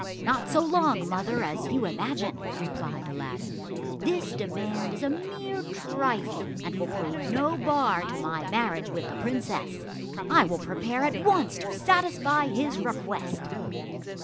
"Not so long, mother, as you imagine," replied Aladdin, "This demand is a mere trifle, and will prove no bar to my marriage with the princess. I will prepare at once to satisfy his request."